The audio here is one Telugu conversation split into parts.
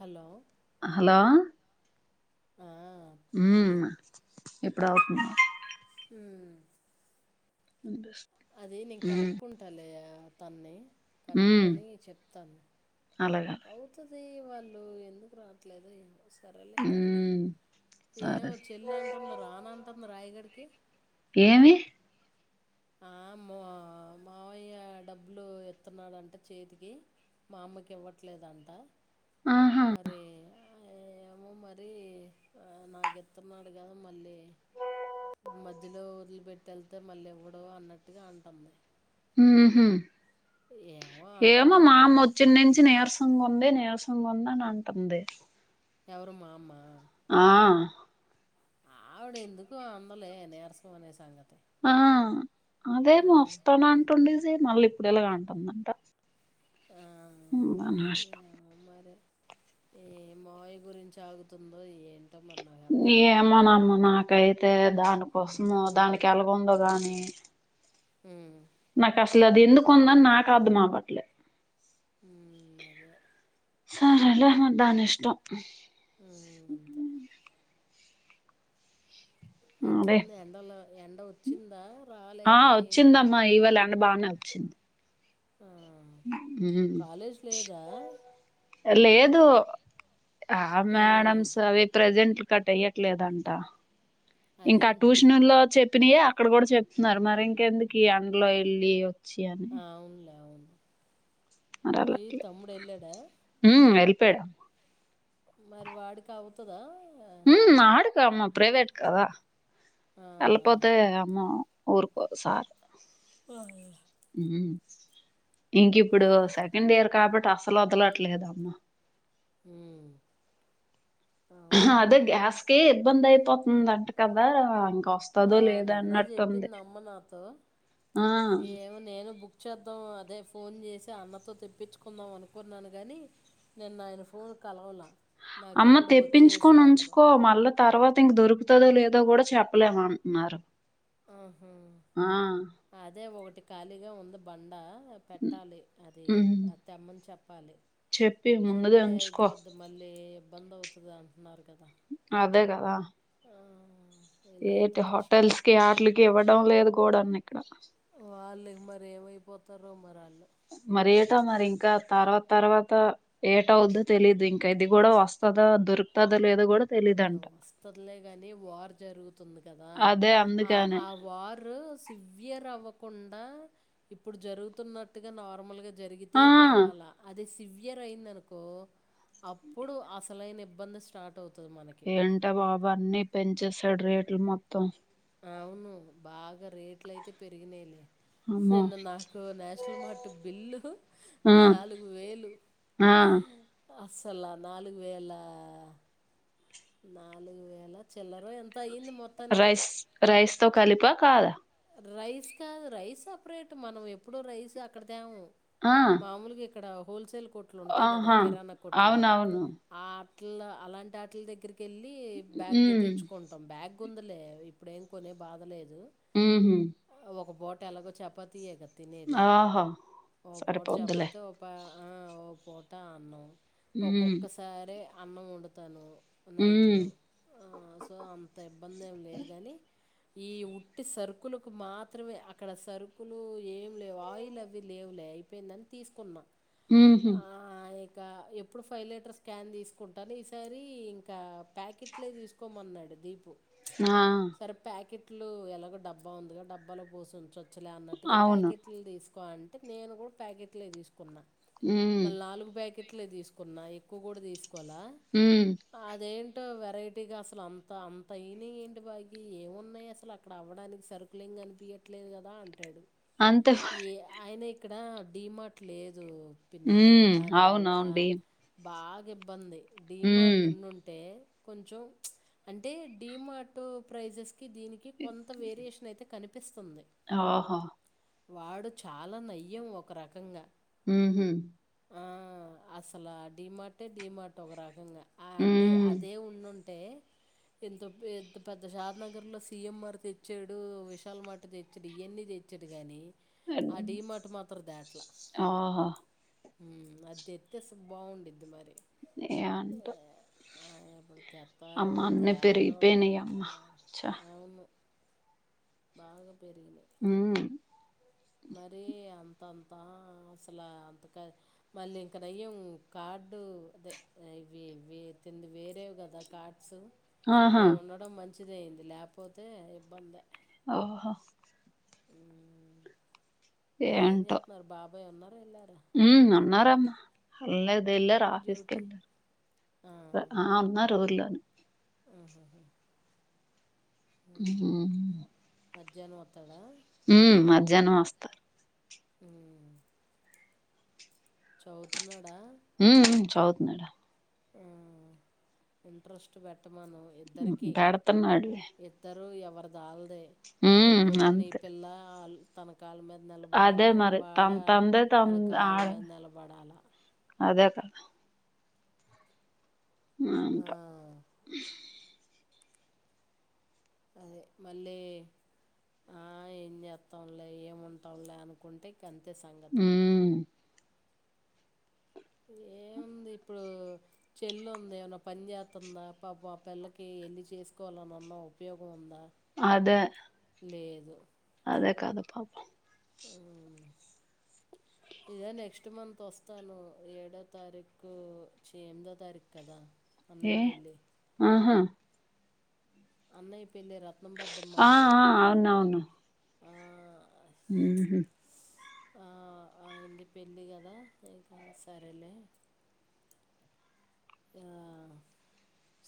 హలో హలో ఆ, పిన్ని హ్మ్ గౌతమ ఉమ్, వినిపిస్తుంది. అది నేను ఉమ్ కనుక్కుంటాలే తన్ని ఉమ్ కనుక్కొని చెప్తాను అలాగే అలాగే అవుతుది వాళ్ళు ఎందుకు రావట్లేదొ ఏమో సరలే కానీ ఉమ్ సరే ఏమో సరే. చెల్ అంటుంది రానంటుంది రాయగడ్కి ఓక ఏమి ఆమో మావయి డబ్బులు ఎతున్నాడంటే చేతికి మా అమ్మకి ఇవ్వట్లేదంట ఆహా మరి ఏమో మరి నాకైత్తున్నాడు కదా మళ్ళీ మధ్యలో వదిలిపెట్టి వెళ్తే మళ్ళీ ఎవ్వడు అన్నట్టుగా అంటుంది ఊహూ ఏమో ఏమో అంటుంది మరి మామ్మ వచ్చన్నంచి నీరసంగా ఉంది నీరసం ఉండనుంటుంది ఎవరు మామ్మ ఆ ఆవిడ ఎందుకు అందులే నీరసం అనే సంగతి ఆ ఆ, అదే మొస్తడాంటండ మళ్ళీ ఇప్పుడు ఎలాగా అంటుందంట ఆ ఇందా నష్టం సరే ఏ మావి గురించి ఆగుతుందో ఏంటి ఏమనామ్మ నాకైతే దాన్ని కోసము దానికి ఎలాగ ఉందో గాని హ్మ్ నాకు అసలు అది ఎందుకు ఉందని నాకు అర్ధమవట్లేదు ఊ అదే సరేలే మరి దాని ఇష్టం ఉ అంతే అదే ఎట్లాంది ఎండలో ఎండ వచ్చిందా ఆ రాలేదా ఏంటి వచ్చిందమ్మా ఆ కాలేజ్ లేదా అ లే దు ఆ ఉమ్ మేడమ్స్ అవే ప్రెజెంట్ కట్ ఎయ్యట్లేదంట ఇంకా అదేంటి ట్యూషనోళ్ళో చె త్రియే అక్కడ కూడా చెప్తున్నారు మరి ఇంకెందుకు ఈ ఎండలో ఎళ్ళి ఆ ఔనులే అవును మరి ఏ తమ్ముడెల్లాడా పెడం మరి వాడికి ఔతదా ఉమ్ ఆడుకామ్మా ప్రైవేట్ కదా ఆ ఎల్లపోతే అమ్మో ఊరుకో సార్ ఆ ఇంకప్పుడు సెకండ్ ఇయర్ కాబట్టి అసలు వదలట్లేదమ్మ హ అదే గ్యాస్కే ఇబ్బంది అయి పోతుంది అంట కదా ఆ వస్తదో లేదో నిన్న అన్నట్టుంది చెప్పింది అమ్మ నాతో ఆ ఏమో నేను బుక్ చేద్దాం అదే ఫోన్ చేసి అన్నతో తెప్పించుకుందాం అనుకున్నాను కానీ నిన్న ఆయన ఫోన్ కలవలా అమ్మ నాకెప్పుడు వచ్చేసే తెప్పించుకోని అతను ఉంచుకో మళ్ళా తర్వాత ఇంక దొరుకు కుతుదో లేదో కూడా చెప్పలేమంటన్నారు ఆహ అదే ఒకటి ఖాళీగా ఉంది బండ పెట్టాలి అది హ్మ్. అ తెమ్మని చెప్పాలి చెప్పి ముందుగా చెప్తే ఉంచుకో. అయిపోద్ది మళ్ళీ బంద్ అవుతుది అంటున్నారు కదా అదే కదా ఆ, ఇలా అయితే ఏంటి కష్టం హోటల్స్ కి ఆటిలకి ఇవ్వడం లేదు కోడన్ని వాళ్ళకి మరి ఏమైపోతు [inaudible] మరి ఏటో మరి ఇంకా తర్వాత తర్వాత ఏట వుద్దో తెలీదు ఇంకా ఇది కూడా వస్తదా దొరుకుతదా లేదో కూడా సరేలే గాని వార్ జరుగుతుంది కదా అదే ఆ అందుకనే. ఆ వారు సివయర్ అవ్వ కుండా ఇప్పుడు జరుగుతున్నట్టుగా నార్మల్ గా జరిగితే ఆ! పర్వాలా అదే సివి సివియర్ అయిందనుకో అప్పుడు అసలైన ఇబ్బంది స్టార్ట్ అవుతుంది మనకి ఏంటే బాబా అన్నీ పెంచేస్ డు రేట్లు మొత్తం అవును బాగా రేట్ల అయితే పెరిగినయిలే అమ్మో నిన్న నాకు నేషనల్ మార్ట్ బిల్లు ఆ నాలుగు వేలు ఆ అస్సల నాలుగు వేల నాలుగు వేల చిల్లరో ఎంతో అయ్యింది. మొత్తానికిలే రైస్ రైస్ తో కాలిపా కాల రైస్ కాదు. రైస్ సపరేట్ మనం ఎప్పుడు రైస్ అక్కడ తేము ఆ మాముూలుగా ఇ ఇక్కడ హోల్సేల్ కొట్లు ఉంటాయి. గాదా ఆహా కిరాణా కొట్లు అవునవును ఆ [unintelligible] అలాంటి ఆటిల దగ్గరికి కి వెళ్ళి బ్యాగ్ ఉమ్ తెచ్చుకుంటాం బ్యాగ్ కుందులే ఇప్పుడు ఏం కొనే బాధలేదు. ఉహ్ ఒక పూట ఎలాగో చపాతియే గాదా తినేది. ఆహా ఓ పూట సరిపోద్దులే చపాతీ ఒప్ప ఆ పూటా అన్నం. ఉమ్ ఒక్కొక్కసారే అన్నం వండుతాను నైట్ ఉమ్ లో సో అంత ఇబ్బంది ఏం లేదు గానీ ఈ ఉట్టి సరుకు కులకు మాత్రమే అక్కడ సరుకులు ఏం లేవు ఆయిల్ అవి లేవులే అయిపోయిందని తీసుకున్నా ఉహ్ ఇంకా ఎప్పుడు ఫైవ్ లీటర్ స్కాన్ తీసుకుంటాను. ఈ సారి ఇంకా ప్యాకెట్లే తీసుకోమన్నాడు. దీప క్ ఆ సరే ప్యాకెట్ ట్లూ ఎలాగ డ బ్బ ఉందిగా డబ్బాలో పోసి ఉంచచ్ చ్చు లే అన్నట్టుగా అవును ప్యాకెట్లు తీసు అంటే నేను కూడా ప్యాకెట్లే తీసు కున్న ఉమ్ మరి నాలుగు ప్యాకే ట్లే తీసుకున్నా ఎక్కువ కూడా తీసు కోలా ఉమ్ అదెం డు. వెరైటీగా అసలు అంత అంత అయినాయి ఏంటి బాకి ఏమున్నాయి అసలు అక్కడ అవ్వడానికి సరుకులేం కనిపియాట్లేదు కదా అంటాడు. అంతే ఈ మరి ఆయన ఇ క్కడ డి మార్ట్ లేదు. ఉ పిన్ని దానివల్ల అవునవుండి బాగా ఇబ్బంది ఉమ్ డీమార్ట్ ఉన్నుంటే కొంచెం అంటే డీమార్ట్ ప్రైసెస్ దీనికి కొంత వేరియేషన్ కనిపిస్తుంది ఆఓహో వాడు చాలా నయ్యం ఒక రకంగా ఊహు ఆ అసలా డిమటే డిమట్ ఒక రకంగా అ అంటే ఉమ్ అదే ఉన్ టె ఎంతో పెద్ద పెద్ద షాద్ నగర్ లో సి ఎం ఆర్ తెచ్చ డు విషాల్ మార్ట్ దేచ్చడు. ఇవన్ని దేచ్చడు గాని ఆహా ఉ అది దేత్తే అస్సలు బాగుండేది. మరి ఏం అంట ఆ, ఎప్పుడు తెత్తారో అమ్మా అన్ని పేరిగీ తేరో పోయిన అమ్మ పెడతారో చ అవును బాగా పెరిగినయి ఉమ్ మరి అం అంతంతా అసలు అంతక మళ్ళీ ఇంకా నయ్యం కార్డు అదే ఇవి వి తింది వేరేవి కదా కార్డ్స్ ఆహా అయ్యి ఉండడం మం మంచిదయింది లేపోతే ఇబ్బందే ఓహో ఏ చేతున్నారు బాబ్ ఓ అమ్మా ఉ అన్నారం మ ఏళ్ళది ఏళ్లారు ఆఫీస్ కి డ్యూటీ ఆ, ఆ ఉన్నారు ఊర్లోనే ఆహ ఉ జనమత్ ఉ మధ్యాహ్నం వస్తా ఉ చదువుతున్నాడా ఉన్నడ హ్మ్ ఇంట్రెస్ట్ పెట్ట పెడుతున్నాడు లే ఎవరిదాలదే రేపొద్దున్నే ఈ అంతే పిల్ల ఆల్ తమ కాళ్ళ మీద అదే నిలబడాలి మరి వాడ తన తందే తన ఆడ కాళ్ళ మీద నిలబడాలి అదే కదా ఆ ఆంటా అదే మళ్ళీ ఏం చేస్తాంలే ఏమంటాంలే అనుకుంటే ఇంకంటి సంగతులు ఉమ్ ఏముంది ఇప్పుడు చెల్లీ ఉంది ఏమన్న పని చేస్తుందా పాపం ఆపిల్లకి ఎళ్లి చేసుకోవాలనున్న ఉపయోగం ఉందా అదే అదే కథ పా హ్మ్ ఇదో నెక్స్ట్ మంత్ వస్తాను ఏడో తారీఖు చీ ఎనిమిదో తారీఖు కదా ఏ అన్నయ్య పెళ్ళి ఆహా అన్నయి పెళ్లి రత్నం పెద్దమ్మ ఆ వాళ్ళ ఆ అబ్బాయి ఆ హ్మ్ ఆ ఆయనది పెళ్ళి కదా ఇకా సరేలే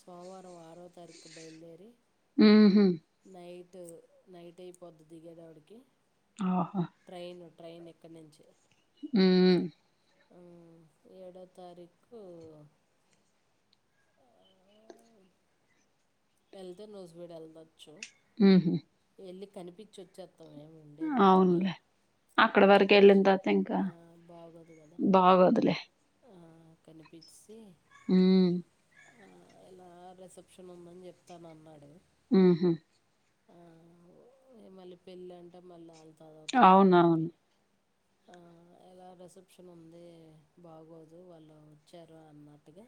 సోమవారం ఆరోవ తారీఖుకి బయలుదేరి హ్మ్ హ్మ్ ట్ నైట్ అయిపోద్ది దిగేతప్పడికీ ఆహా ట్రైన్ ఇక్కడి నుంచి హ్మ్ ఏడో తారీఖు వెళ్తే నుూజబీడి వెళ్దొచ్చు హ్మ్ హ్మ్ వెళ్ళి కనిపిచిచోచ్చే అవునులే అక్కడ వరకు వెళ్ళిన కనిపించి తర్త ఇంకా బాగోదు కదా బాగొదులే కనిపించి హ్మ్ ఆ ఇలా రిసెప్షన్ ఉందని చెప్ ప్తానన్నాడు హ్మ్ హ్మ్ ఆ మళ్ళీ పెళ్ళి అంటే మళ్ళీ ఆ అవునవును ఆ ఎలా రిసెప్షన్ ఉంది బాగోదు వాళ్ళు వచ్చారు అన్నట్టుగా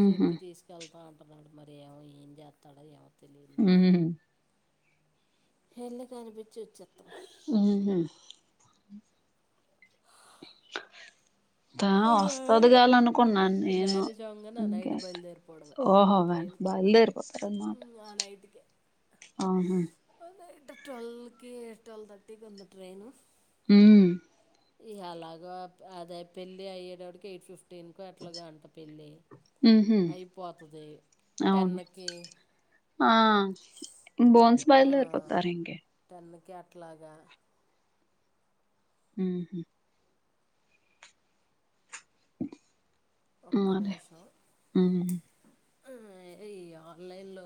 ఉహు చెప్పి తీసుకెళ్ అంటున్నాడు మరి ఏమో ఏం చేస్తాడో ఏమో తెలియదు హ్మ్మ్ ఎల్లి కనిపి చివచేతామ్ [unintelligible] ఉహు కా వస్తదికావాలా అనుకున్నా నేను మ్యారేజ్ అవగానే ఆ నైట్ ఇంకేంటి బయలుదేరిపోవడమే ఓహో వేనా ట్రైన్కి బయలుదేరిపోతారున్నమాట ఆ నైట్కి ఆహా టువల్ కి టువల్ థర్టీకి ఉంది ట్రైను హ్మ్ ఇ అలాగ అదే పెళ్ళి అయ్యేటటికి ఎయిట్ ఫిఫ్టీ టటీన్కు ఎట్లాగా అంట పెళ్ళి ఉహు అయిపోతుంది అవును టెన్కి ఆ బోన్స్ బయల్లోర్పోతారు ఇంకా ఎట్లాగా హు హు ఒక్క మరి నిమిషం ఉహు హ్మ్మ్ ఈ ఆన్లైన్లో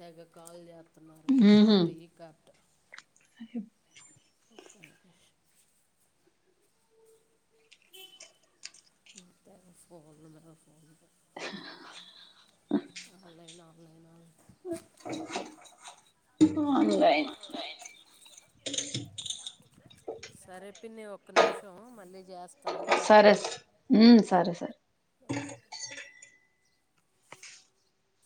తెగ కాల్ చే ఇనా ఉహు కట్ ఈ కట్ [unintelligible] ఫోన్ మ phone [unintelligible] online online online online పిే ఒక్క నిమిషం మళ్ళీ [unintelligible] నువ్వు కట్టేలే సరేస్ ఉ సరేస్